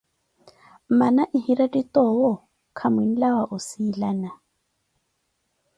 Mmana n`hiretti toowo khamwinlawa osiilana.